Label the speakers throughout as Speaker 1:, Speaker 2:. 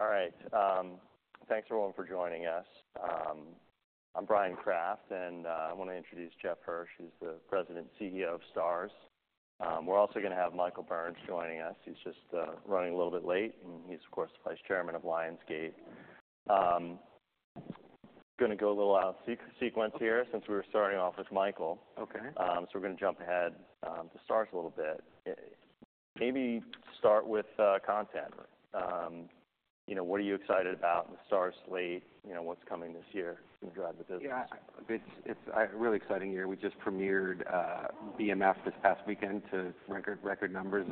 Speaker 1: All right. Thanks everyone for joining us. I'm Bryan Kraft and I wanna introduce Jeffrey Hirsch. He's the President and CEO of STARZ. We're also gonna have Michael Burns joining us. He's just running a little bit late and he's, of course, the Vice Chairman of Lionsgate. Gonna go a little out of sequence here since we were starting off with Michael.
Speaker 2: Okay.
Speaker 1: So we're gonna jump ahead to STARZ a little bit. I maybe start with content. You know, what are you excited about? The STARZ slate. You know, what's coming this year? It's gonna drive the business.
Speaker 2: Yeah. It's a really exciting year. We just premiered BMF this past weekend to record numbers.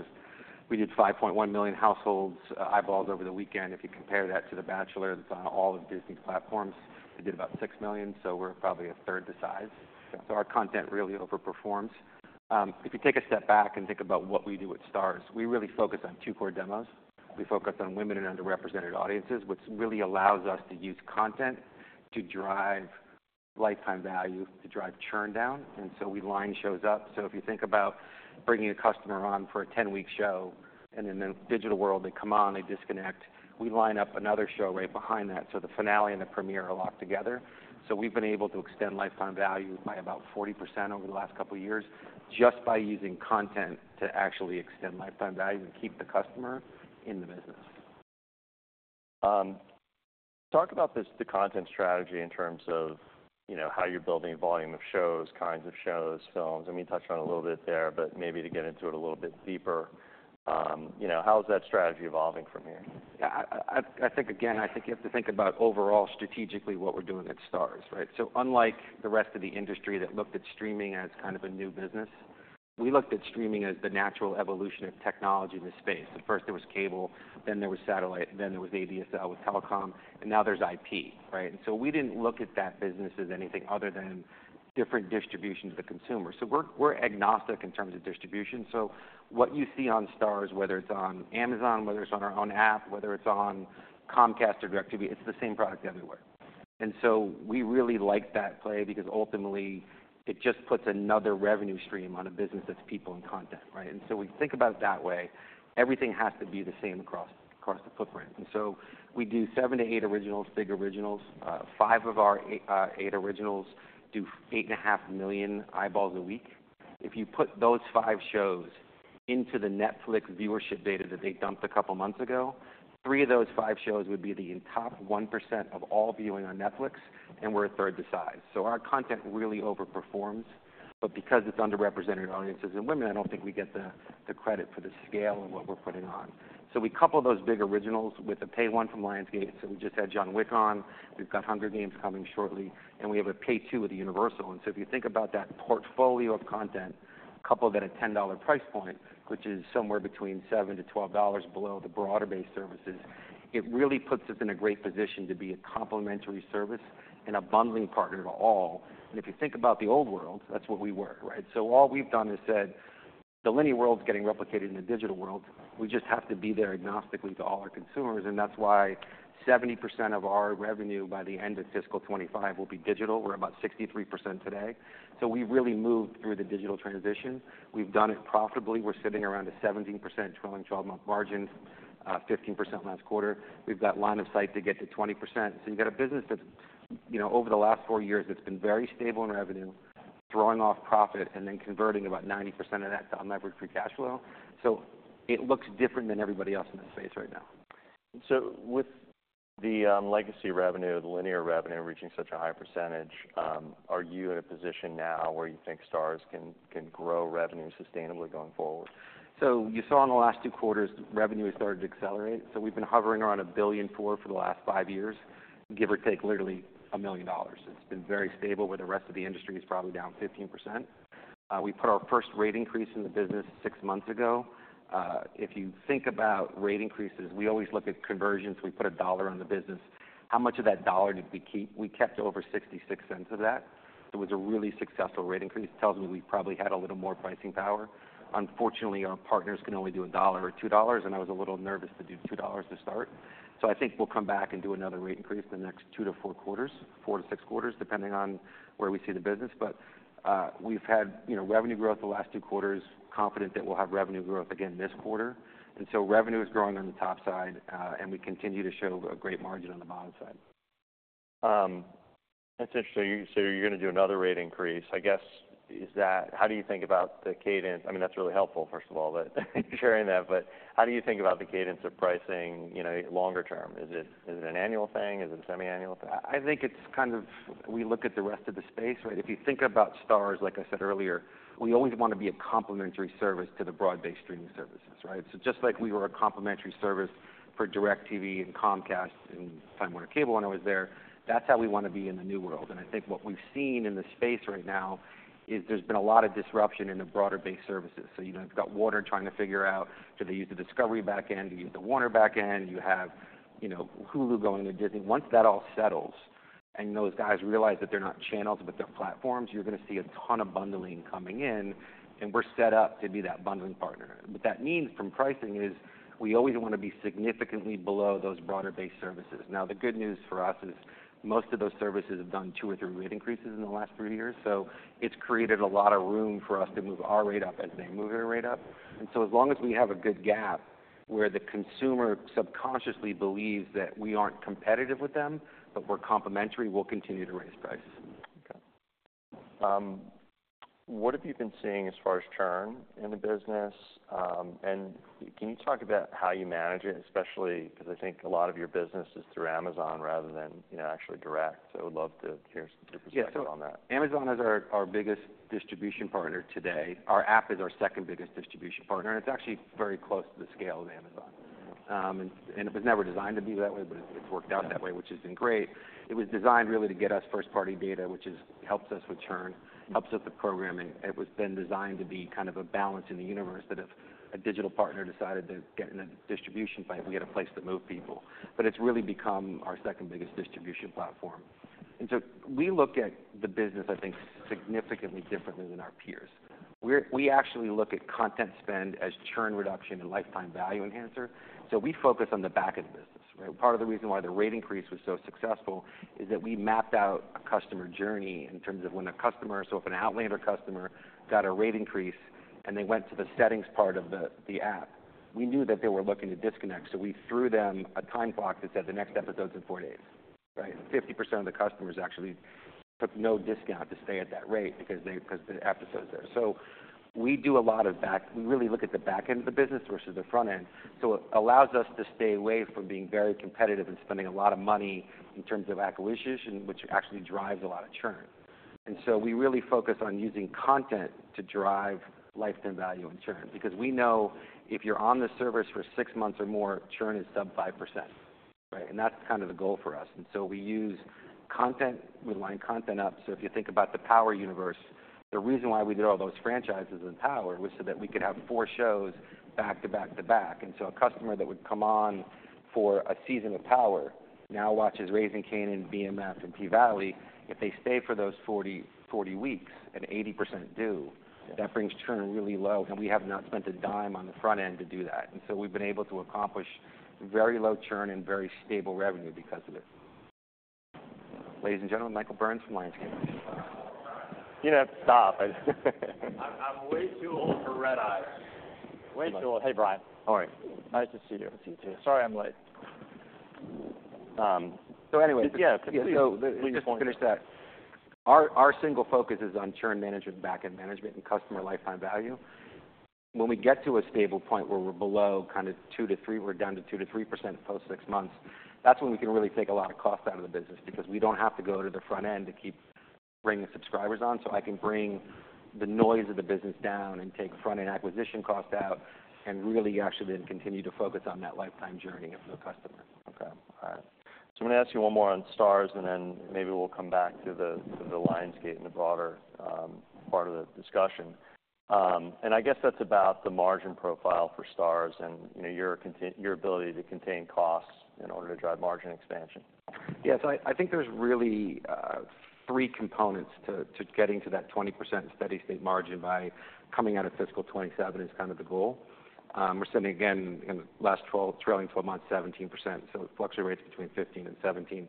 Speaker 2: We did 5.1 million households, eyeballs over the weekend. If you compare that to The Bachelor that's on all of Disney's platforms, they did about 6 million. So we're probably a third the size.
Speaker 1: Okay.
Speaker 2: So our content really overperforms. If you take a step back and think about what we do at STARZ, we really focus on two core demos. We focus on women and underrepresented audiences, which really allows us to use content to drive lifetime value, to drive churn down. And so we line shows up. So if you think about bringing a customer on for a 10-week show and in the digital world, they come on, they disconnect. We line up another show right behind that so the finale and the premiere are locked together. So we've been able to extend lifetime value by about 40% over the last couple of years just by using content to actually extend lifetime value and keep the customer in the business.
Speaker 1: Talk about this, the content strategy in terms of, you know, how you're building volume of shows, kinds of shows, films. I mean, you touched on it a little bit there but maybe to get into it a little bit deeper. You know, how's that strategy evolving from here?
Speaker 2: Yeah. I think again, I think you have to think about overall strategically what we're doing at STARZ, right? So unlike the rest of the industry that looked at streaming as kind of a new business, we looked at streaming as the natural evolution of technology in the space. At first, it was cable. Then there was satellite. Then there was ADSL with telecom. And now there's IP, right? And so we didn't look at that business as anything other than different distribution to the consumer. So we're agnostic in terms of distribution. So what you see on STARZ, whether it's on Amazon, whether it's on our own app, whether it's on Comcast or DIRECTV, it's the same product everywhere. And so we really like that play because ultimately, it just puts another revenue stream on a business that's people and content, right? We think about it that way. Everything has to be the same across the footprint. We do 7-8 originals, big originals. 5 of our 8 originals do 8.5 million eyeballs a week. If you put those 5 shows into the Netflix viewership data that they dumped a couple of months ago, 3 of those 5 shows would be in the top 1% of all viewing on Netflix and we're a third the size. Our content really overperforms but because it's underrepresented audiences and women, I don't think we get the credit for the scale of what we're putting on. We couple those big originals with a Pay One from Lionsgate. We just had John Wick on. We've got Hunger Games coming shortly. We have a Pay Two with Universal. So if you think about that portfolio of content, couple that at $10 price point, which is somewhere between $7-$12 below the broader-based services, it really puts us in a great position to be a complementary service and a bundling partner to all. If you think about the old world, that's what we were, right? All we've done is said, "The linear world's getting replicated in the digital world. We just have to be there agnostically to all our consumers." That's why 70% of our revenue by the end of fiscal 2025 will be digital. We're about 63% today. We've really moved through the digital transition. We've done it profitably. We're sitting around a 17% 12-month margin, 15% last quarter. We've got line of sight to get to 20%. So you've got a business that's, you know, over the last four years that's been very stable in revenue, throwing off profit, and then converting about 90% of that to unleveraged free cash flow. So it looks different than everybody else in the space right now.
Speaker 1: And so with the legacy revenue, the linear revenue reaching such a high percentage, are you in a position now where you think STARZ can grow revenue sustainably going forward?
Speaker 2: So you saw in the last two quarters, revenue has started to accelerate. So we've been hovering around $1.4 billion for the last five years, give or take literally $1 million. It's been very stable where the rest of the industry is probably down 15%. We put our first rate increase in the business six months ago. If you think about rate increases, we always look at conversions. We put $1 on the business. How much of that $1 did we keep? We kept over $0.66 of that. It was a really successful rate increase. It tells me we probably had a little more pricing power. Unfortunately, our partners can only do $1 or $2 and I was a little nervous to do $2 to start. So I think we'll come back and do another rate increase in the next 2-4 quarters, 4-6 quarters, depending on where we see the business. But, we've had, you know, revenue growth the last 2 quarters, confident that we'll have revenue growth again this quarter. And so revenue is growing on the top side, and we continue to show a great margin on the bottom side.
Speaker 1: That's interesting. So you're gonna do another rate increase. I guess, is that how you think about the cadence? I mean, that's really helpful, first of all, that sharing that. But how do you think about the cadence of pricing, you know, longer term? Is it an annual thing? Is it a semi-annual thing?
Speaker 2: I think it's kind of we look at the rest of the space, right? If you think about STARZ, like I said earlier, we always wanna be a complementary service to the broad-based streaming services, right? So just like we were a complementary service for DIRECTV and Comcast and Time Warner Cable when I was there, that's how we wanna be in the new world. And I think what we've seen in the space right now is there's been a lot of disruption in the broader-based services. So, you know, you've got Warner trying to figure out, do they use the Discovery backend? Do you use the Warner backend? You have, you know, Hulu going to Disney. Once that all settles and those guys realize that they're not channels but they're platforms, you're gonna see a ton of bundling coming in and we're set up to be that bundling partner. What that means from pricing is we always wanna be significantly below those broader-based services. Now, the good news for us is most of those services have done two or three rate increases in the last three years. So it's created a lot of room for us to move our rate up as they move their rate up. And so as long as we have a good gap where the consumer subconsciously believes that we aren't competitive with them but we're complementary, we'll continue to raise price.
Speaker 1: Okay. What have you been seeing as far as churn in the business? And can you talk about how you manage it, especially 'cause I think a lot of your business is through Amazon rather than, you know, actually Direct. So I would love to hear your perspective on that.
Speaker 2: Yeah. So Amazon is our biggest distribution partner today. Our app is our second biggest distribution partner and it's actually very close to the scale of Amazon. And it was never designed to be that way but it's worked out that way, which has been great. It was designed really to get us first-party data, which helps us with churn, helps us with programming. It was then designed to be kind of a balance in the universe that if a digital partner decided to get in a distribution fight, we had a place to move people. But it's really become our second biggest distribution platform. And so we look at the business, I think, significantly differently than our peers. We actually look at content spend as churn reduction and lifetime value enhancer. So we focus on the back end of the business, right? Part of the reason why the rate increase was so successful is that we mapped out a customer journey in terms of when a customer so if an Outlander customer got a rate increase and they went to the settings part of the, the app, we knew that they were looking to disconnect. So we threw them a time block that said the next episode's in four days, right? 50% of the customers actually took no discount to stay at that rate because they 'cause the episode's there. So we do a lot of back we really look at the back end of the business versus the front end. So it allows us to stay away from being very competitive and spending a lot of money in terms of acquisition, which actually drives a lot of churn. And so we really focus on using content to drive lifetime value and churn because we know if you're on the service for six months or more, churn is sub 5%, right? And that's kind of the goal for us. And so we use content. We line content up. So if you think about the Power universe, the reason why we did all those franchises in Power was so that we could have four shows back to back to back. And so a customer that would come on for a season of Power now watches Raising Kanan, BMF, and P-Valley. If they stay for those 40, 40 weeks and 80% do, that brings churn really low. And we have not spent a dime on the front end to do that. And so we've been able to accomplish very low churn and very stable revenue because of it. Ladies and gentlemen, Michael Burns from Lionsgate.
Speaker 1: You didn't have to stop. I.
Speaker 3: I'm way too old for red eyes. Way too old. Hey, Brian.
Speaker 2: All right.
Speaker 3: Nice to see you.
Speaker 2: Nice to see you too.
Speaker 3: Sorry I'm late.
Speaker 1: so anyway.
Speaker 2: Yeah.
Speaker 3: Yeah.
Speaker 2: Yeah. So
Speaker 3: We just finished that. Our, our single focus is on churn management, back end management, and customer lifetime value. When we get to a stable point where we're below kind of two to three we're down to 2-3% post xi months. That's when we can really take a lot of cost out of the business because we don't have to go to the front end to keep bringing subscribers on. So I can bring the noise of the business down and take front end acquisition cost out and really actually then continue to focus on that lifetime journey of the customer.
Speaker 1: Okay. All right. So I'm gonna ask you one more on STARZ and then maybe we'll come back to the Lionsgate and the broader part of the discussion. And I guess that's about the margin profile for STARZ and, you know, your continued ability to contain costs in order to drive margin expansion.
Speaker 2: Yeah. So I think there's really three components to getting to that 20% steady state margin by coming out of fiscal 2027 is kind of the goal. We're sitting again in the last 12 trailing 12 months, 17%. So fluctuating rates between 15% and 17%.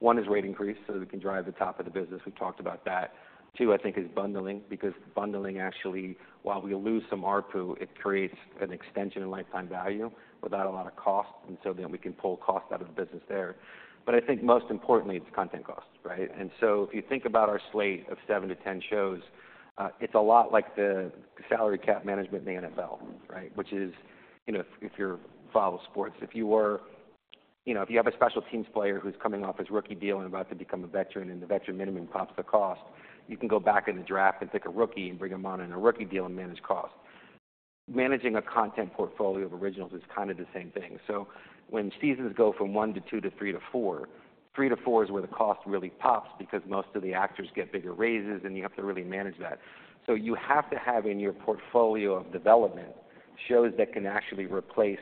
Speaker 2: 1 is rate increase so we can drive the top of the business. We've talked about that. 2, I think, is bundling because bundling actually while we lose some RPU, it creates an extension in lifetime value without a lot of cost. And so then we can pull cost out of the business there. But I think most importantly, it's content cost, right? And so if you think about our slate of 7-10 shows, it's a lot like the salary cap management in the NFL, right? Which is, you know, if you're following sports, you know, if you have a special teams player who's coming off his rookie deal and about to become a veteran and the veteran minimum pops the cost, you can go back in the draft and pick a rookie and bring him on in a rookie deal and manage cost. Managing a content portfolio of originals is kind of the same thing. So when seasons go from one to two to three to four, three to four is where the cost really pops because most of the actors get bigger raises and you have to really manage that. So you have to have in your portfolio of development shows that can actually replace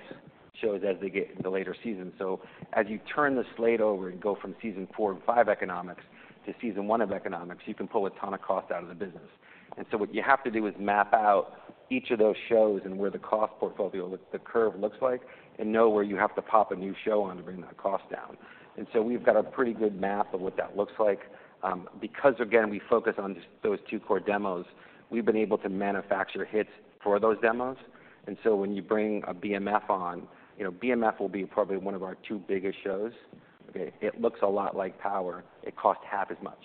Speaker 2: shows as they get in the later seasons. So as you turn the slate over and go from season four and five economics to season one of economics, you can pull a ton of cost out of the business. So what you have to do is map out each of those shows and where the cost portfolio looks like the curve looks like and know where you have to pop a new show on to bring that cost down. So we've got a pretty good map of what that looks like. Because again, we focus on just those two core demos, we've been able to manufacture hits for those demos. So when you bring a BMF on, you know, BMF will be probably one of our two biggest shows, okay? It looks a lot like Power. It costs half as much,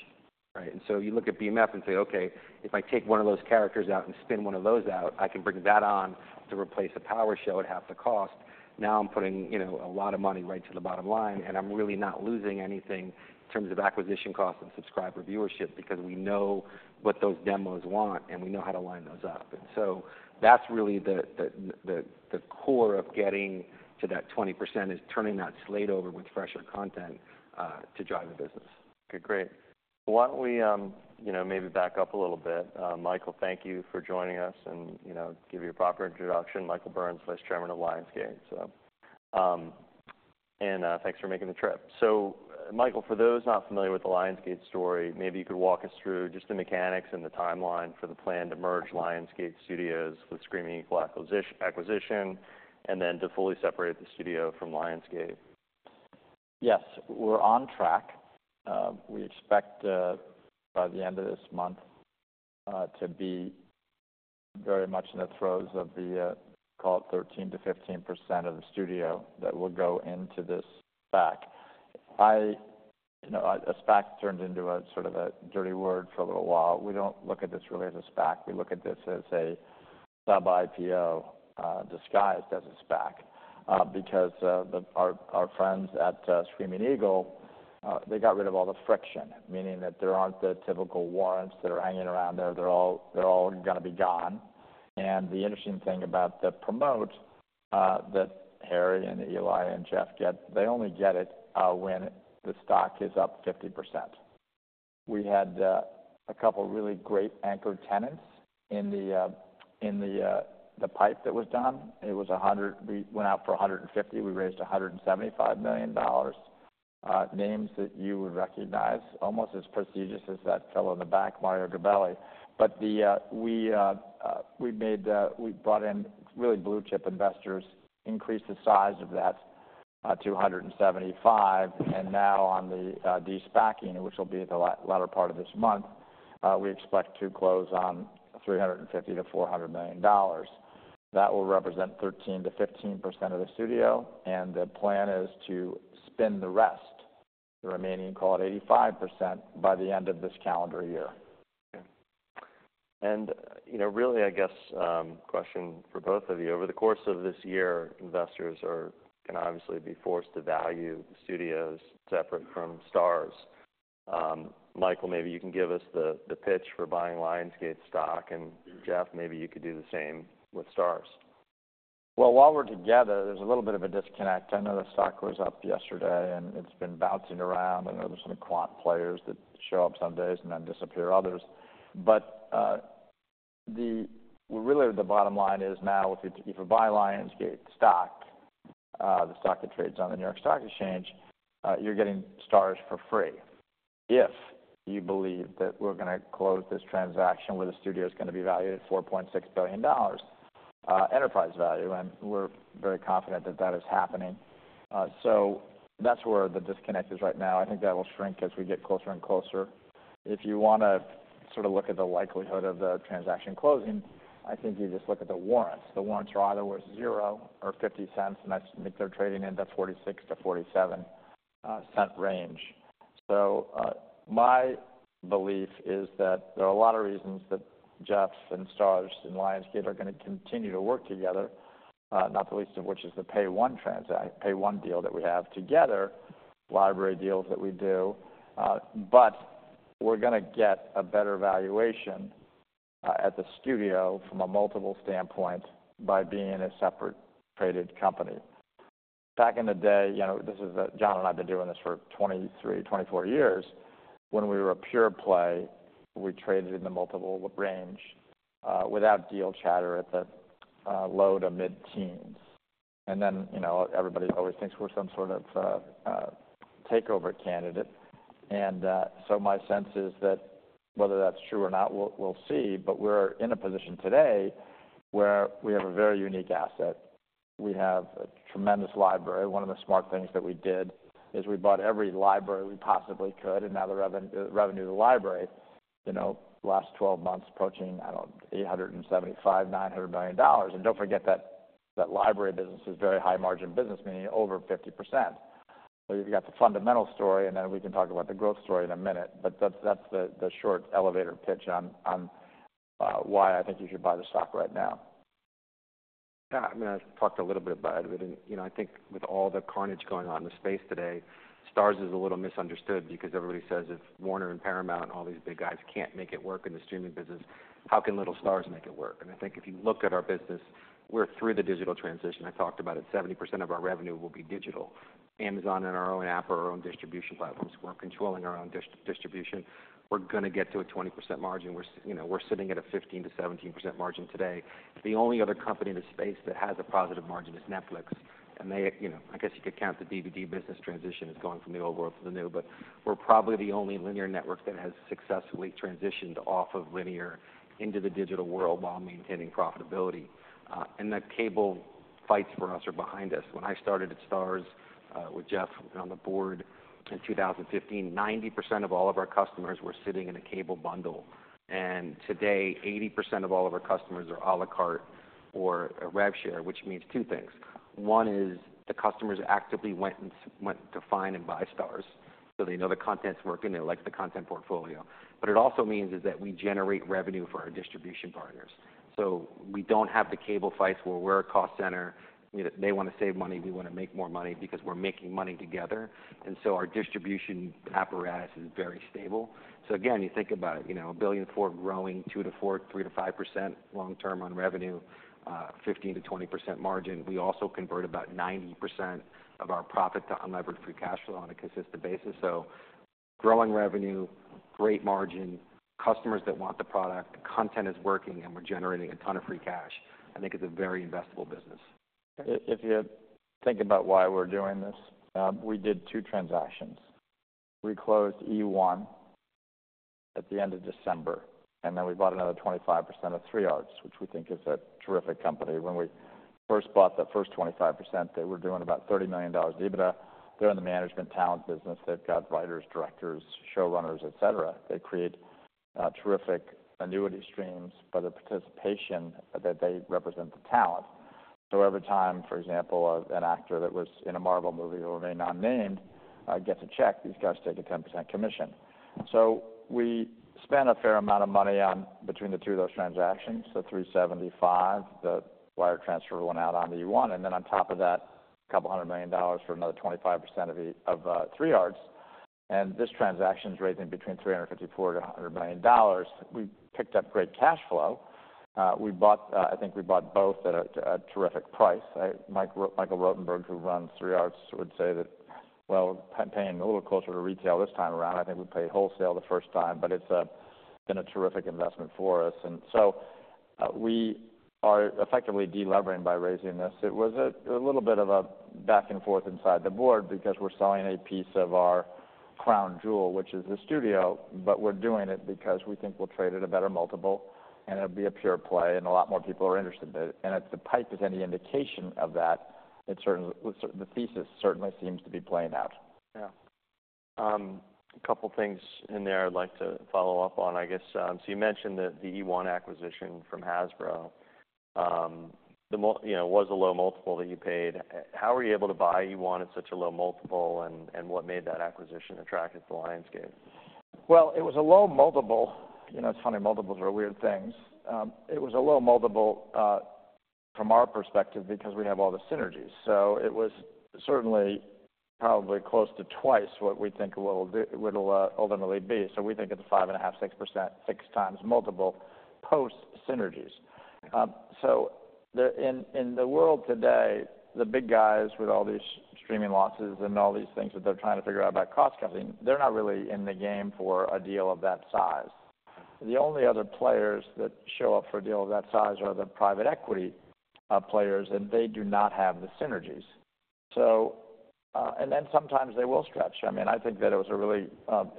Speaker 2: right? So you look at BMF and say, "Okay. If I take one of those characters out and spin one of those out, I can bring that on to replace a Power show at half the cost. Now I'm putting, you know, a lot of money right to the bottom line and I'm really not losing anything in terms of acquisition costs and subscriber viewership because we know what those demos want and we know how to line those up." And so that's really the core of getting to that 20% is turning that slate over with fresher content, to drive the business.
Speaker 1: Okay. Great. Why don't we, you know, maybe back up a little bit. Michael, thank you for joining us and, you know, give your proper introduction. Michael Burns, Vice Chairman of Lionsgate. So, and, thanks for making the trip. So, Michael, for those not familiar with the Lionsgate story, maybe you could walk us through just the mechanics and the timeline for the plan to merge Lionsgate Studios with Screaming Eagle acquisition and then to fully separate the studio from Lionsgate.
Speaker 3: Yes. We're on track. We expect, by the end of this month, to be very much in the throes of the, call it 13%-15% of the studio that will go into this SPAC. I, you know, a SPAC turned into a sort of a dirty word for a little while. We don't look at this really as a SPAC. We look at this as a sub-IPO, disguised as a SPAC, because, our friends at Screaming Eagle, they got rid of all the friction, meaning that there aren't the typical warrants that are hanging around there. They're all gonna be gone. And the interesting thing about the promote, that Harry and Eli and Jeff get, they only get it, when the stock is up 50%. We had, a couple really great anchor tenants in the pipe that was done. It was 100 we went out for 150. We raised $175 million. Names that you would recognize almost as prestigious as that fellow in the back, Mario Gabelli. But we brought in really blue chip investors, increased the size of that, to 175. And now on the de-SPACing, which will be at the latter part of this month, we expect to close on $350-$400 million. That will represent 13%-15% of the studio and the plan is to spin the rest, the remaining call it 85%, by the end of this calendar year.
Speaker 1: Okay. And, you know, really, I guess, question for both of you. Over the course of this year, investors are gonna obviously be forced to value studios separate from STARZ. Michael, maybe you can give us the, the pitch for buying Lionsgate stock and Jeff, maybe you could do the same with STARZ.
Speaker 3: Well, while we're together, there's a little bit of a disconnect. I know the stock was up yesterday and it's been bouncing around. I know there's some quant players that show up some days and then disappear others. But, well, really the bottom line is now if you buy Lionsgate stock, the stock that trades on the New York Stock Exchange, you're getting STARZ for free if you believe that we're gonna close this transaction where the studio's gonna be valued at $4.6 billion, enterprise value. And we're very confident that that is happening. So that's where the disconnect is right now. I think that will shrink as we get closer and closer. If you wanna sort of look at the likelihood of the transaction closing, I think you just look at the warrants. The warrants are either worth zero or $0.50 and that's make their trading in, that's 46-47 cent range. So, my belief is that there are a lot of reasons that Jeff and STARZ and Lionsgate are gonna continue to work together, not the least of which is the Pay One transac Pay One deal that we have together, library deals that we do. But we're gonna get a better valuation at the studio from a multiple standpoint by being a separate traded company. Back in the day, you know, this is a Jon and I've been doing this for 23, 24 years. When we were a pure play, we traded in the multiple range, without deal chatter at the low- to mid-teens. And then, you know, everybody always thinks we're some sort of takeover candidate. So my sense is that whether that's true or not, we'll see. But we're in a position today where we have a very unique asset. We have a tremendous library. One of the smart things that we did is we bought every library we possibly could and now the revenue of the library, you know, last 12 months approaching, I don't know, $875-$900 million. Don't forget that library business is very high margin business, meaning over 50%. So you've got the fundamental story and then we can talk about the growth story in a minute. But that's the short elevator pitch on why I think you should buy the stock right now.
Speaker 2: Yeah. I mean, I've talked a little bit about it. But in, you know, I think with all the carnage going on in the space today, STARZ is a little misunderstood because everybody says if Warner and Paramount and all these big guys can't make it work in the streaming business, how can little STARZ make it work? And I think if you look at our business, we're through the digital transition. I talked about it. 70% of our revenue will be digital. Amazon and our own app or our own distribution platforms. We're controlling our own distribution. We're gonna get to a 20% margin. We're, you know, we're sitting at a 15%-17% margin today. The only other company in the space that has a positive margin is Netflix. They, you know, I guess you could count the DVD business transition as going from the old world to the new. But we're probably the only linear network that has successfully transitioned off of linear into the digital world while maintaining profitability. The cable fights for us are behind us. When I started at STARZ, with Jeff on the board in 2015, 90% of all of our customers were sitting in a cable bundle. Today, 80% of all of our customers are à la carte or a rev share, which means two things. One is the customers actively went and went to find and buy STARZ. So they know the content's working. They like the content portfolio. But it also means that we generate revenue for our distribution partners. So we don't have the cable fights where we're a cost center. You know, they wanna save money. We wanna make more money because we're making money together. So our distribution apparatus is very stable. So again, you think about it, you know, $1 billion for growing 2-4, 3-5% long term on revenue, 15%-20% margin. We also convert about 90% of our profit to unlevered free cash flow on a consistent basis. So growing revenue, great margin, customers that want the product, content is working, and we're generating a ton of free cash. I think it's a very investable business.
Speaker 1: If you think about why we're doing this, we did two transactions. We closed eOne at the end of December and then we bought another 25% of 3 Arts, which we think is a terrific company. When we first bought that first 25%, they were doing about $30 million EBITDA. They're in the management talent business. They've got writers, directors, showrunners, etc. They create terrific annuity streams by the participation that they represent the talent. So every time, for example, an actor that was in a Marvel movie who remained unnamed, gets a check, these guys take a 10% commission. So we spent a fair amount of money on between the two of those transactions. So $375 million, the wire transfer went out on the eOne. And then on top of that, a couple hundred million dollars for another 25% of 3 Arts. This transaction's raising between $354-$100 million. We picked up great cash flow. We bought, I think we bought both at a terrific price. Michael Rotenberg, who runs 3 Arts, would say that, well, paying a little closer to retail this time around, I think we paid wholesale the first time. But it's been a terrific investment for us. And so, we are effectively delevering by raising this. It was a little bit of a back and forth inside the board because we're selling a piece of our crown jewel, which is the studio. But we're doing it because we think we'll trade at a better multiple and it'll be a pure play and a lot more people are interested in it. And if the PIPE is any indication of that, it certainly the thesis certainly seems to be playing out. Yeah. A couple things in there I'd like to follow up on, I guess. So you mentioned that the eOne acquisition from Hasbro, you know, was a low multiple that you paid. How were you able to buy eOne at such a low multiple and what made that acquisition attractive to Lionsgate?
Speaker 3: Well, it was a low multiple. You know, it's funny. Multiples are weird things. It was a low multiple, from our perspective because we have all the synergies. So it was certainly probably close to twice what we think it will do it'll, ultimately be. So we think it's a 5.5, 6%, 6x multiple post-synergies. So there in, in the world today, the big guys with all these streaming losses and all these things that they're trying to figure out about cost cutting, they're not really in the game for a deal of that size. The only other players that show up for a deal of that size are the private equity players and they do not have the synergies. So, and then sometimes they will stretch. I mean, I think that it was a really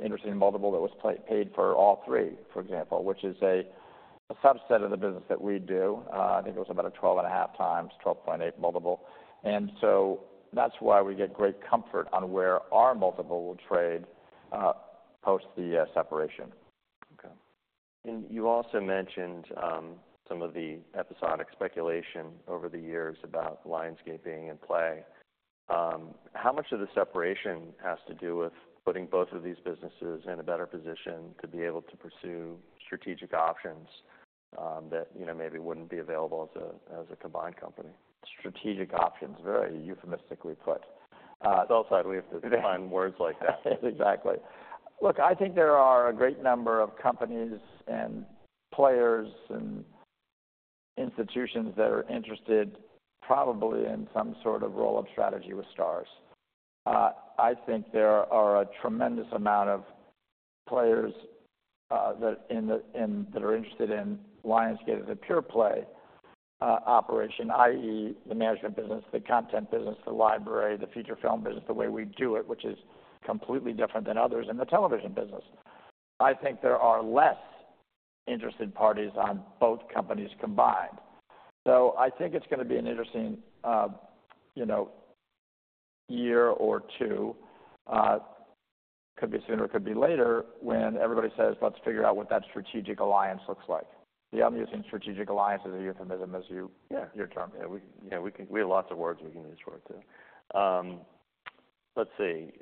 Speaker 3: interesting multiple that was paid for all three, for example, which is a subset of the business that we do. I think it was about a 12.5x, 12.8x multiple. And so that's why we get great comfort on where our multiple will trade, post the separation.
Speaker 1: Okay. And you also mentioned some of the episodic speculation over the years about Lionsgate being in play. How much of the separation has to do with putting both of these businesses in a better position to be able to pursue strategic options that, you know, maybe wouldn't be available as a combined company?
Speaker 3: Strategic options. Very euphemistically put. It's all sad. We have to.
Speaker 1: Yeah.
Speaker 3: Find words like that. Exactly. Look, I think there are a great number of companies and players and institutions that are interested probably in some sort of roll-up strategy with STARZ. I think there are a tremendous amount of players that are interested in Lionsgate as a pure play operation, i.e., the management business, the content business, the library, the feature film business, the way we do it, which is completely different than others, and the television business. I think there are less interested parties on both companies combined. So I think it's gonna be an interesting, you know, year or two, could be sooner, could be later, when everybody says, "Let's figure out what that strategic alliance looks like." Then, I'm using strategic alliance as a euphemism as you.
Speaker 1: Yeah.
Speaker 3: Your term.
Speaker 1: Yeah. We have lots of words we can use for it too. Let's see.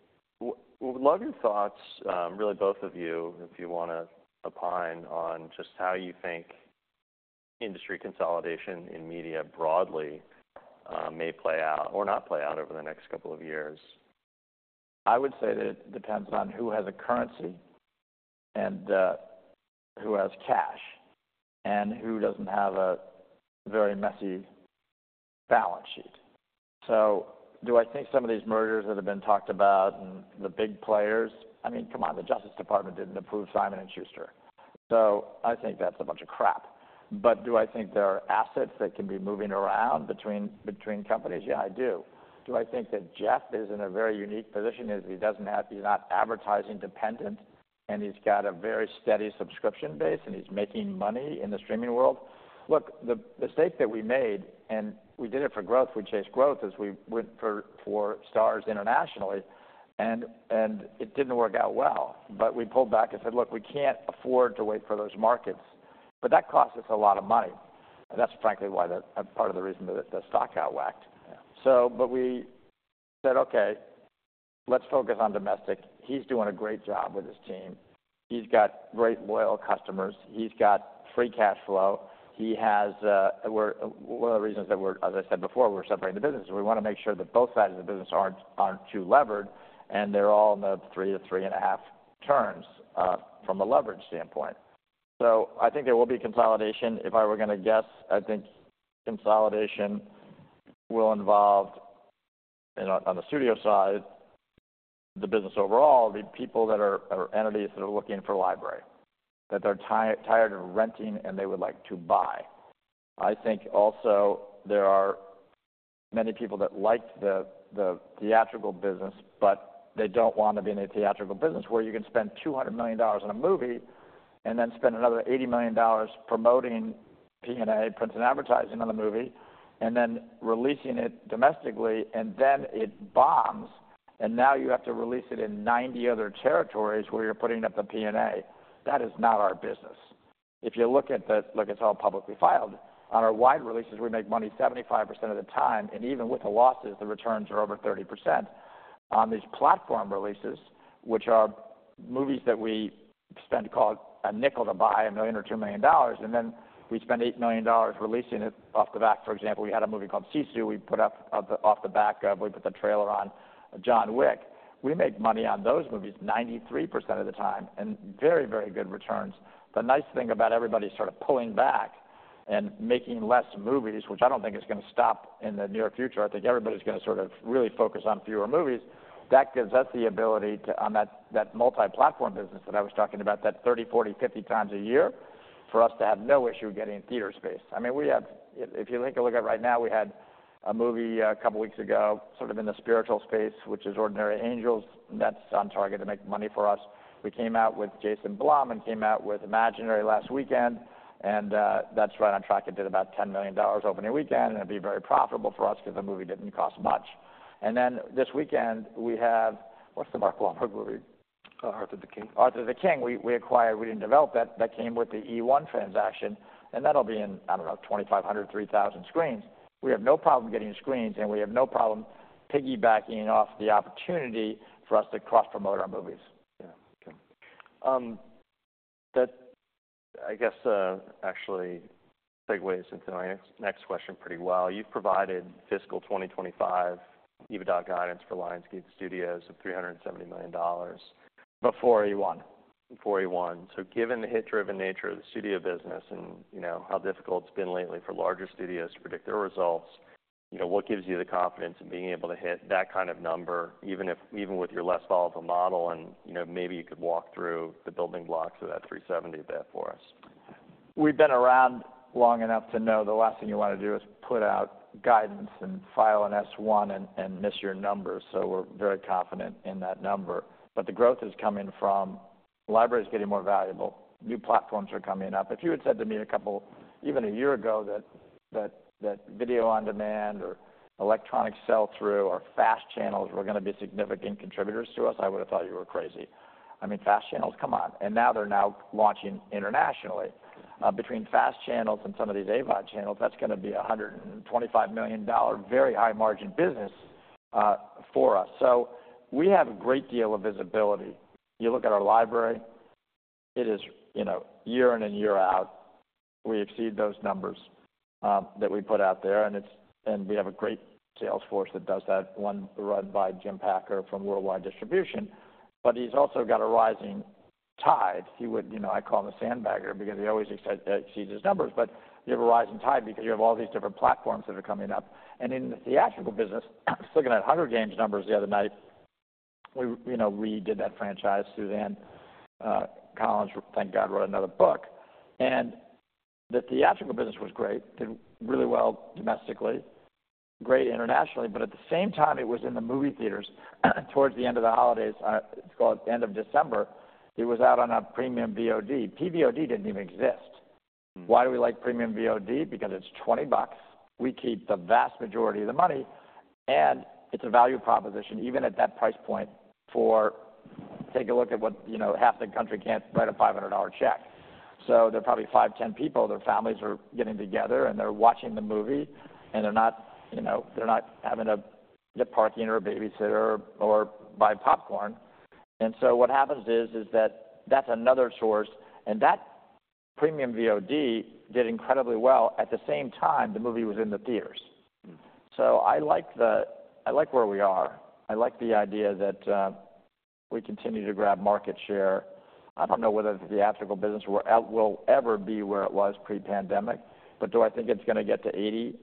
Speaker 1: Would love your thoughts, really both of you, if you wanna opine on just how you think industry consolidation in media broadly may play out or not play out over the next couple of years.
Speaker 3: I would say that it depends on who has a currency and who has cash and who doesn't have a very messy balance sheet. So do I think some of these mergers that have been talked about and the big players? I mean, come on. The Justice Department didn't approve Simon & Schuster. So I think that's a bunch of crap. But do I think there are assets that can be moving around between companies? Yeah, I do. Do I think that Jeff is in a very unique position? He doesn't have - he's not advertising dependent and he's got a very steady subscription base and he's making money in the streaming world? Look, the mistake that we made and we did it for growth. We chased growth as we went for STARZ internationally. And it didn't work out well. But we pulled back and said, "Look, we can't afford to wait for those markets." But that costs us a lot of money. And that's frankly why that's a part of the reason that the stock got whacked.
Speaker 1: Yeah.
Speaker 3: So but we said, "Okay. Let's focus on domestic." He's doing a great job with his team. He's got great loyal customers. He's got free cash flow. He has, we're one of the reasons that we're as I said before, we're separating the businesses. We wanna make sure that both sides of the business aren't too levered and they're all in the 3-3.5 turns, from a leverage standpoint. So I think there will be consolidation. If I were gonna guess, I think consolidation will involve, you know, on the studio side, the business overall, the people that are entities that are looking for library. That they're tired of renting and they would like to buy. I think also there are many people that like the theatrical business but they don't wanna be in a theatrical business where you can spend $200 million on a movie and then spend another $80 million promoting P&A, prints and advertising on the movie, and then releasing it domestically. And then it bombs and now you have to release it in 90 other territories where you're putting up the P&A. That is not our business. If you look at the books, it's all publicly filed. On our wide releases, we make money 75% of the time. And even with the losses, the returns are over 30%. On these platform releases, which are movies that we spend, call it, a nickel to buy, $1 million or $2 million, and then we spend $8 million releasing it off the back, for example, we had a movie called Sisu. We put up off the back of, we put the trailer on John Wick. We make money on those movies 93% of the time and very, very good returns. The nice thing about everybody sort of pulling back and making less movies, which I don't think is gonna stop in the near future. I think everybody's gonna sort of really focus on fewer movies. That gives us the ability to, on that multi-platform business that I was talking about, that 30, 40, 50 times a year, for us to have no issue getting theater space. I mean, we have, if you take a look at right now, we had a movie a couple weeks ago, sort of in the spiritual space, which is Ordinary Angels. That's on target to make money for us. We came out with Jason Blum and came out with Imaginary last weekend. And that's right on track. It did about $10 million opening weekend and it'd be very profitable for us 'cause the movie didn't cost much. And then this weekend, we have, what's the Mark Wahlberg movie?
Speaker 2: Arthur the King.
Speaker 3: Arthur the King. We acquired; we didn't develop that. That came with the eOne transaction. And that'll be in, I don't know, 2,500-3,000 screens. We have no problem getting screens and we have no problem piggybacking off the opportunity for us to cross-promote our movies.
Speaker 1: Yeah. Okay. That I guess actually segues into my next, next question pretty well. You've provided fiscal 2025 EBITDA guidance for Lionsgate Studios of $370 million.
Speaker 3: Before eOne.
Speaker 1: Before eOne. So given the hit-driven nature of the studio business and, you know, how difficult it's been lately for larger studios to predict their results, you know, what gives you the confidence in being able to hit that kind of number even with your less volatile model and, you know, maybe you could walk through the building blocks of that 370 EBIT for us?
Speaker 3: We've been around long enough to know the last thing you wanna do is put out guidance and file an S1 and miss your numbers. So we're very confident in that number. But the growth is coming from libraries getting more valuable. New platforms are coming up. If you had said to me a couple even a year ago that video on demand or electronic sell-through or FAST channels were gonna be significant contributors to us, I would've thought you were crazy. I mean, FAST channels, come on. And now they're launching internationally. Between FAST channels and some of these AVOD channels, that's gonna be a $125 million very high margin business for us. So we have a great deal of visibility. You look at our library. It is, you know, year in and year out, we exceed those numbers that we put out there. And it's and we have a great sales force that does that, one run by Jim Packer from Worldwide Distribution. But he's also got a rising tide. He, you know, I call him a sandbagger because he always exceeds his numbers. But you have a rising tide because you have all these different platforms that are coming up. And in the theatrical business, I was looking at Hunger Games numbers the other night. We, you know, redid that franchise. Suzanne Collins, thank God, wrote another book. And the theatrical business was great. Did really well domestically. Great internationally. But at the same time, it was in the movie theaters towards the end of the holidays. It's called end of December. It was out on a premium VOD. PVOD didn't even exist. Why do we like premium VOD? Because it's $20. We keep the vast majority of the money. And it's a value proposition even at that price point. For, take a look at what, you know, half the country can't write a $500 check. So there are probably 5, 10 people. Their families are getting together and they're watching the movie. And they're not, you know, they're not having to get parking or a babysitter or buy popcorn. And so what happens is that that's another source. And that premium VOD did incredibly well at the same time the movie was in the theaters. So I like where we are. I like the idea that we continue to grab market share. I don't know whether the theatrical business where it will ever be where it was pre-pandemic. But do I think it's gonna get to 80,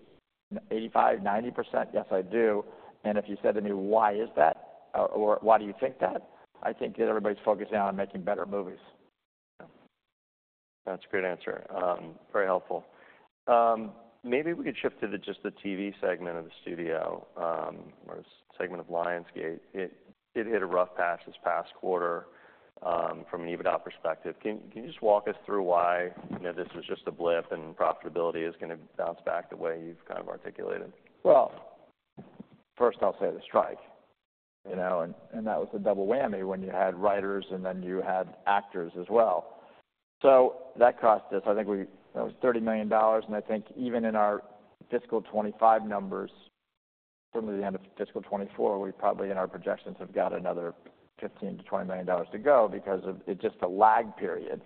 Speaker 3: 85, 90%? Yes, I do. And if you said to me, "Why is that?" or "Why do you think that?" I think that everybody's focusing on making better movies.
Speaker 1: Yeah. That's a great answer. Very helpful. Maybe we could shift to just the TV segment of the studio, or segment of Lionsgate. It, it hit a rough patch this past quarter, from an EBITDA perspective. Can, can you just walk us through why, you know, this was just a blip and profitability is gonna bounce back the way you've kind of articulated?
Speaker 3: Well, first I'll say the strike.
Speaker 1: Yeah.
Speaker 3: You know? And, and that was a double whammy when you had writers and then you had actors as well. So that cost us I think we that was $30 million. And I think even in our fiscal 2025 numbers, certainly the end of fiscal 2024, we probably in our projections have got another $15 million-$20 million to go because of it's just a lag period.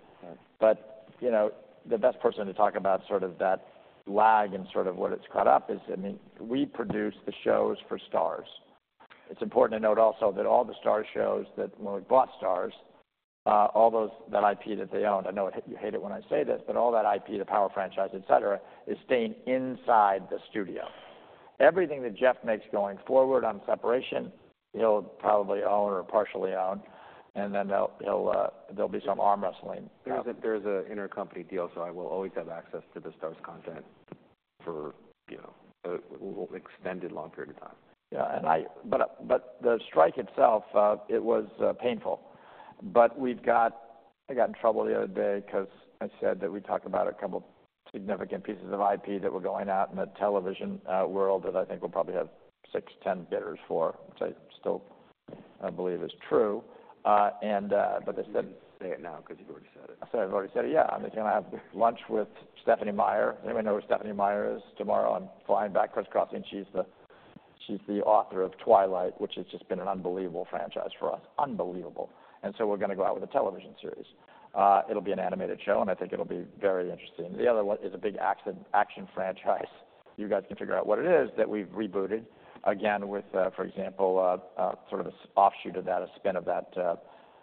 Speaker 1: Right.
Speaker 3: You know, the best person to talk about sort of that lag and sort of what it's caught up is I mean, we produce the shows for STARZ. It's important to note also that all the STARZ shows that when we bought STARZ, all those IP that they owned I know you hate it when I say this but all that IP, the Power franchise, etc., is staying inside the studio. Everything that Jeff makes going forward on separation, he'll probably own or partially own. And then they'll he'll, there'll be some arm wrestling.
Speaker 1: There's an intercompany deal so I will always have access to the STARZ's content for, you know, a will extended long period of time.
Speaker 3: Yeah. But the strike itself, it was painful. But I got in trouble the other day 'cause I said that we talked about a couple significant pieces of IP that were going out in the television world that I think we'll probably have 6-10 bidders for, which I still believe is true. But they said.
Speaker 1: You can say it now 'cause you've already said it.
Speaker 3: I said I've already said it. Yeah. I'm just gonna have lunch with Stephenie Meyer. Anybody know who Stephenie Meyer is? Tomorrow I'm flying back crisscrossing. She's the author of Twilight, which has just been an unbelievable franchise for us. Unbelievable. So we're gonna go out with a television series. It'll be an animated show and I think it'll be very interesting. The other one is a big action franchise. You guys can figure out what it is that we've rebooted again with, for example, sort of an offshoot of that, a spin-off of that,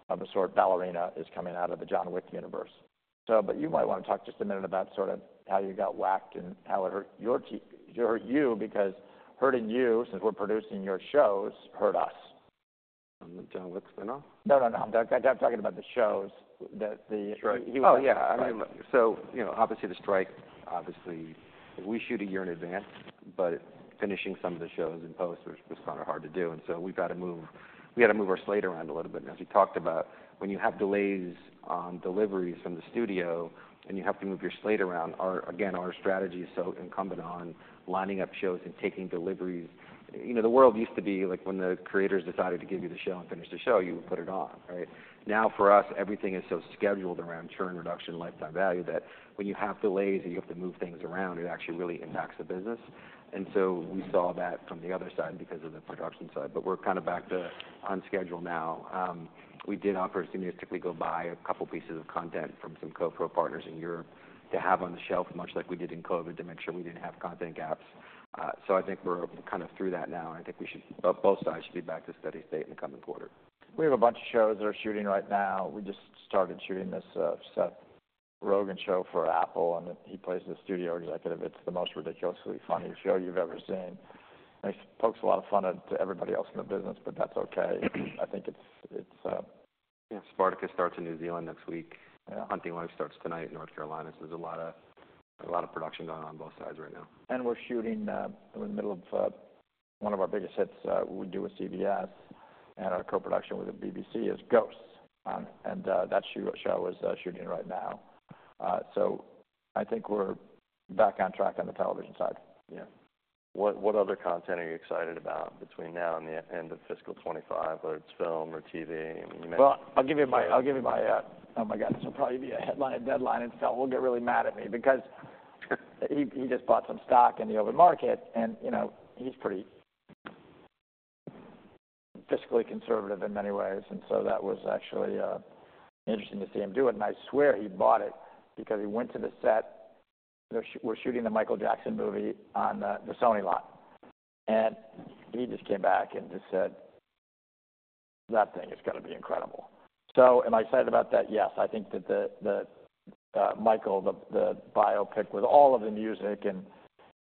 Speaker 3: of that sort Ballerina is coming out of the John Wick universe. So you might wanna talk just a minute about sort of how you got whacked and how it hurt your TV. It hurt you because hurting you since we're producing your shows hurt us.
Speaker 1: the John Wick spin-off?
Speaker 3: No, no, no. I'm talking about the shows. The, the.
Speaker 1: Strike.
Speaker 3: He was.
Speaker 1: Oh yeah. I mean, so, you know, obviously the strike, obviously we shoot a year in advance. But finishing some of the shows in post was kinda hard to do. And so we've gotta move our slate around a little bit. And as we talked about, when you have delays on deliveries from the studio and you have to move your slate around, our again, our strategy is so incumbent on lining up shows and taking deliveries. You know, the world used to be like when the creators decided to give you the show and finish the show, you would put it on, right? Now for us, everything is so scheduled around churn reduction, lifetime value that when you have delays and you have to move things around, it actually really impacts the business. So we saw that from the other side because of the production side. But we're kinda back to on schedule now. We did opportunistically go buy a couple pieces of content from some co-pro partners in Europe to have on the shelf much like we did in COVID to make sure we didn't have content gaps. So I think we're kinda through that now. And I think we should both sides should be back to steady state in the coming quarter.
Speaker 3: We have a bunch of shows that are shooting right now. We just started shooting this Seth Rogen show for Apple. And he plays the studio executive. It's the most ridiculously funny show you've ever seen. It pokes a lot of fun at everybody else in the business but that's okay. I think it's,
Speaker 1: Yeah. Spartacus starts in New Zealand next week.
Speaker 3: Yeah.
Speaker 1: Hunting Wives starts tonight in North Carolina. So there's a lot of production going on both sides right now.
Speaker 3: And we're shooting, we're in the middle of one of our biggest hits we do with CBS. And our co-production with the BBC is Ghosts. Oh, and that show is shooting right now. So I think we're back on track on the television side.
Speaker 1: Yeah. What, what other content are you excited about between now and the end of fiscal 2025? Whether it's film or TV? I mean, you mentioned.
Speaker 3: Well, I'll give you my.
Speaker 1: Yeah.
Speaker 3: I'll give you my, oh my God. This will probably be a headline and deadline and Feltheimer will get really mad at me because he, he just bought some stock in the open market. And, you know, he's pretty fiscally conservative in many ways. And so that was actually, interesting to see him do it. And I swear he bought it because he went to the set. You know, we're shooting the Michael Jackson movie on the Sony lot. And he just came back and just said, "That thing is gonna be incredible." So am I excited about that? Yes. I think that the, the, Michael, the, the biopic with all of the music and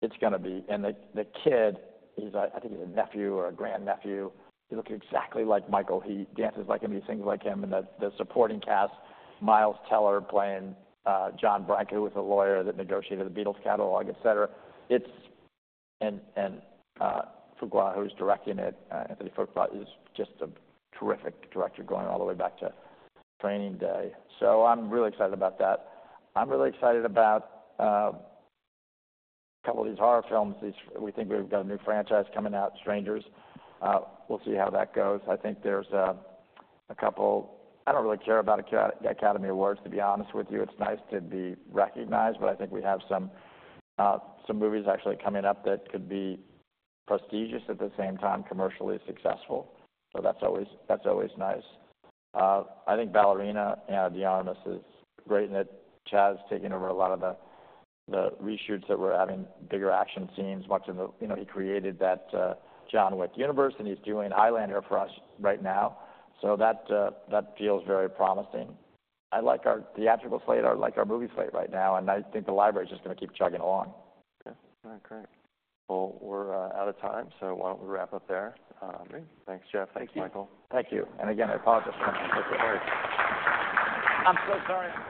Speaker 3: it's gonna be and the, the kid, he's, I think he's a nephew or a grandnephew. He looked exactly like Michael. He dances like him. He sings like him. The supporting cast, Miles Teller playing John Branca, a lawyer that negotiated the Beatles catalog, etc. It's Fuqua who's directing it. Antoine Fuqua is just a terrific director going all the way back to Training Day. So I'm really excited about that. I'm really excited about a couple of these horror films. These we think we've got a new franchise coming out, Strangers. We'll see how that goes. I think there's a couple I don't really care about the Academy Awards to be honest with you. It's nice to be recognized. But I think we have some movies actually coming up that could be prestigious at the same time, commercially successful. So that's always nice. I think Ballerina and Ana de Armas is great. That Chad's taking over a lot of the reshoots that we're having, bigger action scenes much in the, you know, he created that John Wick universe. And he's doing Highlander for us right now. So that feels very promising. I like our theatrical slate. I like our movie slate right now. And I think the library's just gonna keep chugging along.
Speaker 1: Yeah. All right. Great. Well, we're out of time. So why don't we wrap up there? Thanks, Jeff.
Speaker 3: Thank you.
Speaker 1: Thanks Michael.
Speaker 3: Thank you. Again, I apologize for my mistakes.
Speaker 1: Of course. I'm so sorry.